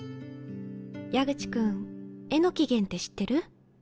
矢口君絵の起源って知ってる？